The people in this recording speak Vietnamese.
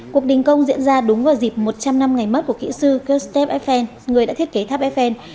cuộc đình công diễn ra đúng vào dịp một trăm linh năm ngày mất của kỹ sư kurstefan người đã thiết kế tháp eiffel